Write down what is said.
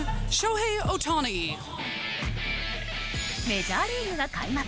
メジャーリーグが開幕。